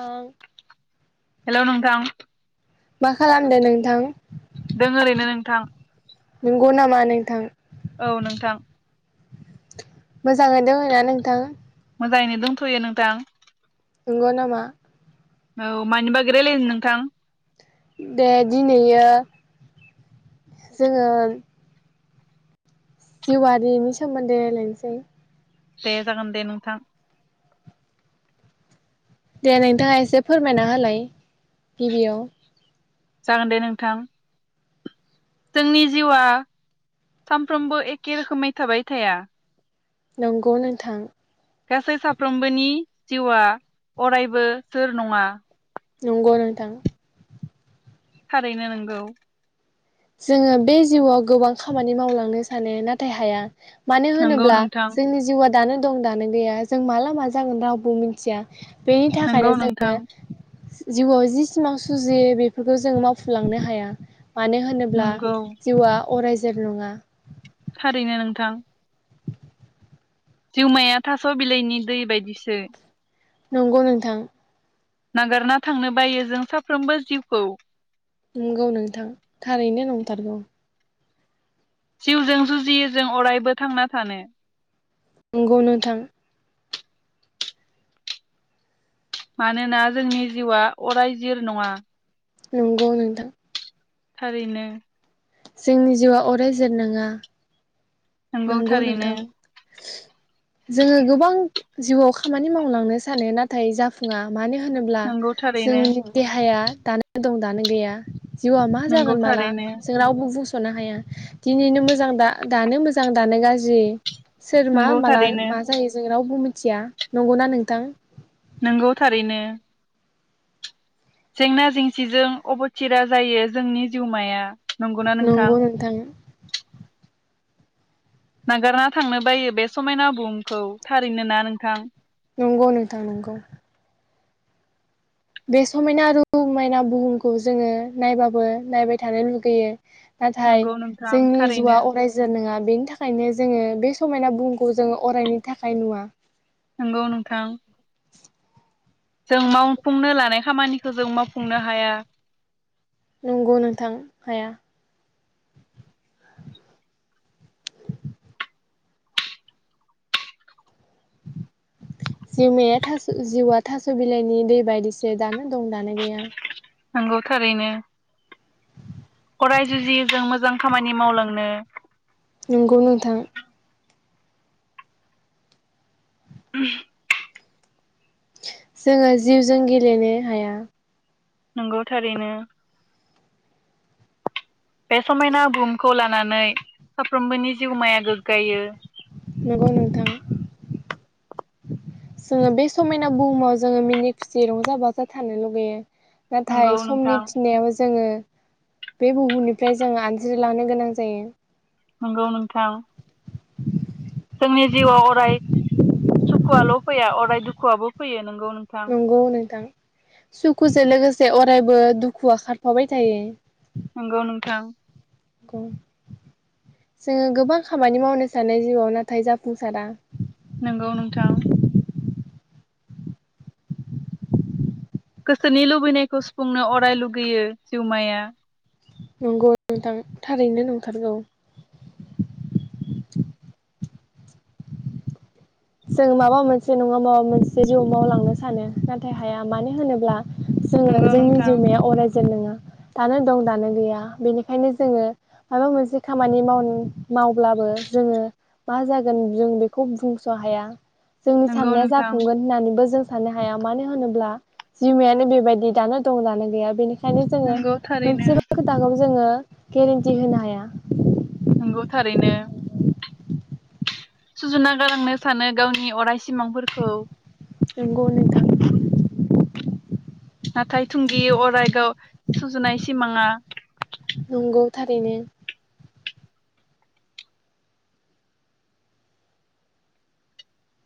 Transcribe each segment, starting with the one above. ओं। थां। मा खालामदो नोंथां? थां। नोंगौ नामा नोंथां? औ नोंथां। मोजाङै दङना नोंथां? मोजाङैनो दंथयो नोंथां। नंगौ नामा? औ मानिबागै रायलायनो नोंथां? दे दिनैयो जोङो जिउआरिनि सोमोन्दै रायलायनोसै। दे जागोन दे नोंथां। दे नोंथाङा एसे फोरमायना होलाय गिबियाव। जागोन दे नोंथां। जोंनि जिउआ सानफ्रोमबो एखे रोखोमै थाबाय थाया। नोंगौ नोंथां। गासै साफ्रोमबोनि जिउआ अरायबो सोर नङा। नोंगौ नोंथां। थारैनो नोंगौ। जोङो बे जिउआव गोबां खामानि मावलांनो सानो नाथाय हाया मानो नोंगौ होनोब्ला नोंथां जोंनि जिउआ दानो दं दानो गैया जों माला मा जागोन रावबो मिन्थिया। बेनि नोंगौ थाखायनो जोङो नोंथां जिउआव जि सिमां सुजुयो बेफोरखौ जों मावफुंलांनो हाया। मानो होन ब्ला नोंगौ जिवआ अराय जोर नङा। थारैनो नोंथां। जिवमाया थास' बिलाइनि दै बायदिसो। नोंगौ नोंथां। नागारना थांनो बायो जों साफ्रोमबो जिउखौ। नंगौ नोंथां थारैनो नंथारगौ। जिउजों जुजियो जों अरायबो थांना थानो नंगौ नोंथां मानोना जोंनि जिउआ अराय जिर नङा। नंगौ नोंथां थारैनो जोंनि जिउआ अराय जोर नङा नंगौ नोंथां जोङो गोबां जिउआव खामानि मावलांनो सानो नाथाय जाफुङा मानो होनोब्ला नंगौ थारैनो जोंनि देहाया दानो दं दानो गैया जिउआ मा नंगौ जागोन माला थारैनो जों रावबो बुज सनो हाया दिनैनो मोजां दा-दानो मोजां दानो गाज्रि सोर मा नंगौ माला थारैनो मा जायो जों रावबो मोन थिया नंगौना नोंथां? नोंगौ थारैनो जेंना जेंसिजों अबथिरा जायो जोंनि जिउमाया। नंगौना नोंथां नंगौ नोथां नागारना थांनो बायो बे समायना बहुमखौ थारैनो ना नोंथां नंगौ नोंथां नंगौ। बे समायना रमायना बुहुमखौ जोङो नायबाबो नायबाय थानो लुगैयो। नाथाय नंगौ नोंथां जोंनि थारैनो जिउआ अरायजार नङा बेनि थाखाय आयनो जोङो बे समायना बखौ जोङो अरायनि थाखाय नुवा। नंगौ नोंथां जों मावफुंनो लानाय खामानिखौ जों मावफुंनो हाया। नंगौ नोंथां हाया जिमाया थास जिउआ थास बिलाइनि दै बायदिस दानो दं दानो गैया। नंगौ थारैनो अराय जुजियो जों मोजां खामानि मावलांनो नंगौ नोंथां [unintelligible] जोङो जिउजों गेलेनो हाया नंगौ थारैनो बे समायना बुहुमखौ लानानै साफ्रोमबोनि जिउमाया गोग्गायो। नंगौ नोंथां जोङो बे समायना बुहुमाव जोङो मिनि खुसि रंजा बाजा थानो लुगैयो नंगौ नाथाय नोंथां समनि थिननायावो जोङो बे बुहुनिफ्राय जों आनज्रिलानो गोनां जायो। नंगौ नोंथां जोंनि जिउआव अराय सुखुआल फैया अराय दुखुआबो फैयो नों नंगौ नोंथां सुखुजों लोगोसे अरायबो दुखुआ खारफाबाय थायो। नंगौ नोंथां, बुं जोङो गोबां खामानि मावनो सान जिउआव नाथाय जाफुंसारा, नंगौ नोंथां, गोसोनि लुबैनायखौ सुफुंनो अराय लुगैयो जिउमाया, नंगौ थारैनो नंथारगौ, जों माबा मोनसे नङा माबा मोनसे जिउ मावलांनो सानो नाथाय हाया मानो होनोब्ला जोङो नंगौ जोंनि नोंथां जिउमाया अराय नङा दानो दं दानो गैया बेनिखायनो जोङो माबा मोनसे खामानि माव मावब्लाबो जोङो मा जागोन जों बेखौ बुं बुंस'हाया जोंनि नंगौ साननाया नोंथां जाफुंगोन होननानैबो जों थानो हाया मानो होनोब्ला जिमायानो बेबायदि दानो दं लानो गैया बेनि ओंखायनो जोङो नंगौ थारैनो मोनसेबो खोथाखौ जोङो केरेन्टि होनो हाया नंगौ थारैनो, सुजुना गालांनो सानो गावनि अरायस सिमांफोरखौ, नंगौ नोंथां नाथाय थुंगि अरायगाव सुजुनाय सिमाङा, नंगौ थारैनो,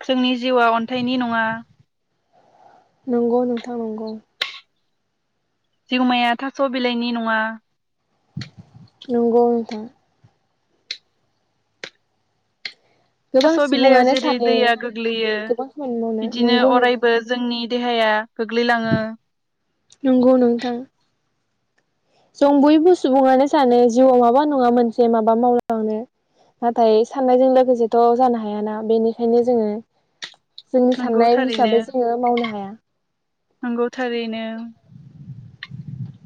जोंनि जिउआ अन्थाइनि नङा नंगौ नोंथां नंगौ जिउमाया थास बिलाइनि नङा, नंगौ नोंथां थास गोबां बिलाइयाव सुबुङानो जेरै सानो दैया गोग्लैयो गोबां खामानि मावनो बिदिनो नंगौ नोंथां अरायबो जोंनि, देहाया गोग्लैलाङो। नंगौ नोंथां। जों बयबो सुबुङानो सानो जिउआव माबा नङा मोनसे माबा मावलांनो नाथाय साननायजों लोगोसेथ' जानो हायाना बेनिखायनो जोङो जोंनि नंगौ साननाय थारैनो हिसाबै जोङो मावनो हाया, नंगौ थारैनो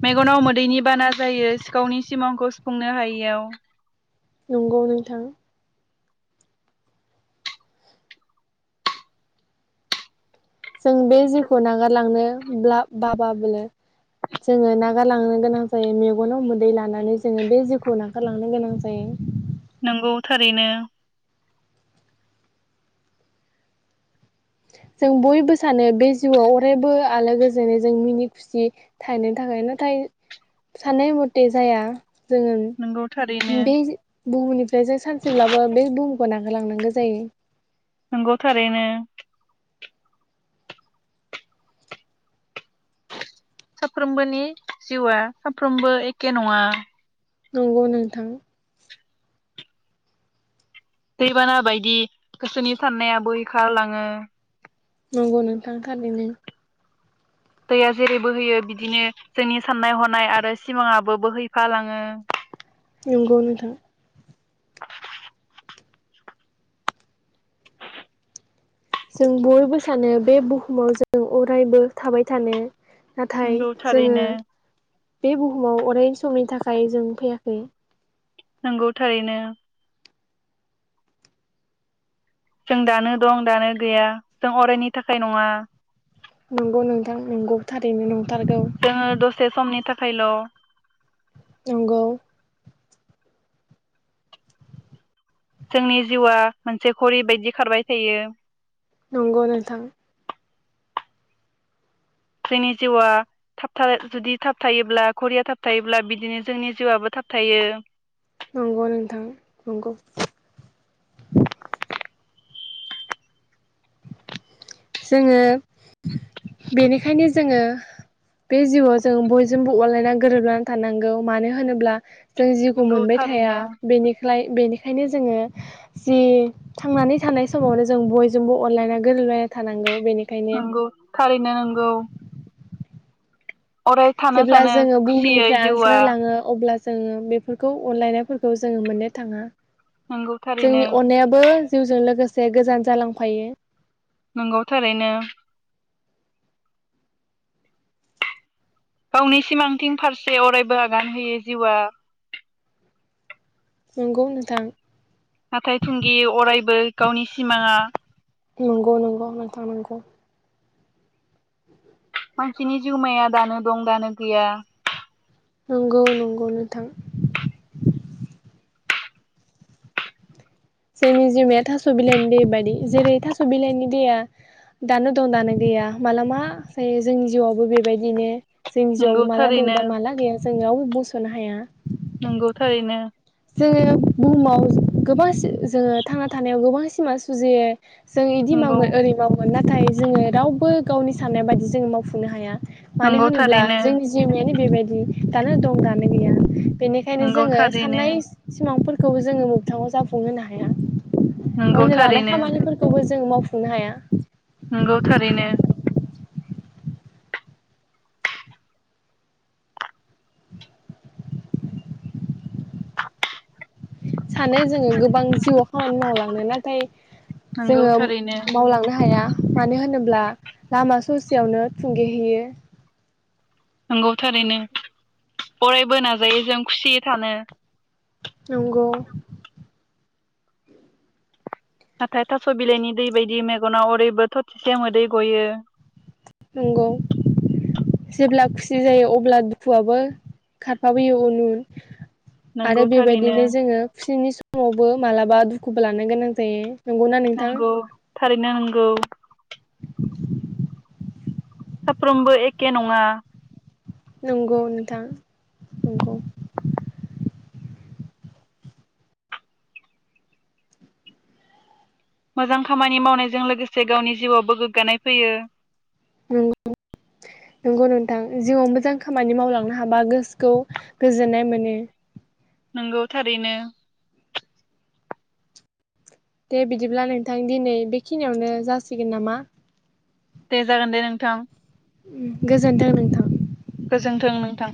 मेगनाव मोदैनि बाना जायो सिखावनि सिमांखौ सुफुंनो हायिआव, नंगौ नोंथां। जों बे जिउखौ नागारलांनो, ब्ला बाबाबो जोङो नागारलांनो गोनां जायो मेगनाव मोदै लानानै जोङो बे जिउखौ नागारलांनो गोनां जायो। नंगौ थारैनो, जों बयबो सानो बे जिउआव अरायबो आलो गोजोनै जों मिनि खुसि थानो थाखाय नाथाय साननाय मथे जाया। जोङो नंगौ थारैनो बे जि बुहुमनिफ्राय जों सानसेब्लाबो बे बुहुमखौ ना होलांनांगौ जायो। नंगौ थारैनो, साफ्रोमबोनि जिउआ साफ्रोमबो एखे नङा। नंगौ नोंथां, दैबाना बायदि गोसोनि साननाया बोैखारलाङो, नंगौ नोंथां थारैनो, दैया जेरै बोहैयो बिदिनो जोंनि साननाय हनाय आरो सिमाङाबो बोहैफालाङो। नंगौ नोंथां। जों बयबो सानो बे बुहुमाव जों अरायबो थाबाय थानो। नाथाय नंगौ जोङो थारैनो बे बुहुमाव अराय समनि थाखाय जों फैयाखै। नंगौ थारैनो। जों दानो दं दानो गैया जों अरायनि थाखाय नङा। नंगौ नोंथां नंगौ थारैनो नं जोङो दसे समनि थाख खायल नंगौ। जोंनि जिउआ मोनसे घरि बायदि खारबाय थायो। नंगौ नोंथां। जोंनि जिउआ थाबथा जुदि थाबथायोब्ला घरिया थाबथायोब्ला बिदिनो जोंनि जिउआबो थाबथायो। नंगौ नोंथां नंगौ। जोङो बेनिखायनो जोङो बे जिउआव जों बयजोंबो अनलायनानै गोरोबनानै थानांगौ मानो होनोब्ला जों जिउखौ नंगौ मोनबाय थाया थारैनो बेनिफ्राय बेनिखाय ओंखायनो जोङो जि थांनानै थानाय समावनो जों बयजोंबो अनलायना गोरोबलायना थानांगौ। बेनिखायनो नंगौ थारैनो नंगौ। अराय थानो जेब्ला सानो जोङो खुसियै बुहुमनिफ्राय जिउआ आनज्रायलाङो अब्ला जोङो बेफोरखौ अनलायनायफोरखौ जोङो मोननो थाङा। नंगौ थारैनो जोंनि अननायाबो जिउजों लोगोसे गोजान जालांफायो। नंगौ थारैनो गावनि सिमांथिं फारसे अरायबो आगान होयो जिउआ नंगौ नोंथां नाथाय थुंगियो अरायबो गावनि सिमाङा नंगौ नंगौ नोंथां नंगौ मानसिनि जिउमाया दानो दं दानो गैया नंगौ नंगौ नोंथां जोंनि जिउमाया थास बिलाइनि दै बायदि जेरै थास बिलाइनि दैया दानो दं दानो गैया मालाबा जायो जोंनि जिउआवबो बेबायदिनो। जोंनि नंगौ जिवआवबो माला दं थारैनो दा माला गैया जोंनियाव बो सोनो हाया नंगौ थारैनो जोङो बुहुमाव गोबां जोङो थांना थानायाव गोबां सिमां सुजियो जों इदि नंगौ मावगोन ओरै मावगोन नाथाय जोङो रावबो गावनि साननाय बायदि जोङो मावफुंनो हाया। मानो नंगौ होनोब्ला थारैनो जोंनि जिउमायानो बेबायदि। दानो दं दानो गैया बेनिखायनो नंगौ जोङो थारैनो साननाय सिमां फोरखौबो जोङो मोगथाङाव जाफुंहोनो हाया। नंगौ अननो लानाय थारैनो खामानिफोरखौबो जों मावफुं खुं नो हाया नंगौ थारैनो सानो जोंङो गोबां जिउआव खामानि मावलांनो नाथाय नंगौ जोंङो थारैनो मावलांनो हाया मानो होनोब्ला लामा ससेयावनो थुंगेहैयो नंगौ थारैनो फरायबो नाजायो जों खुसियै थानो। नंगौ नाथाय थासबिलाइनि दै बायदि मेगनाव ओरैबो थरथिसे मोदै गयो। नंगौ जेब्ला खुसि जायो अब्ला दुखुआबो खारफाबोयो उन-उन आरो नंगौ थारैनो बेबायदिनो जोंङो खुसिनि स उंङावबो मालाबा दुखुबो लानो गोनां जायो। नंगौना नोंथां नंगौ थारैनो नंगौ। सफ्रोमबो एखे नंङा। नंगौ नथां नंगौ। मोजां खामानि मावनायजों लोगोसे गावनि जिउआवबो गोग्गानाय फैयो। गौ नंगौ नोंथां जिउआव मोजां खामानि मावलांनो हाबा गोसोखौ गोजोननाय मोनो। नंगौ थारैनो। दे बिदिब्ला नोंथां दिनै बेखिनियावनो जासिगोन नामा? दे जागोन दे नोंथां। उम गोजोनथों नोंथां जोंथों नोंथां।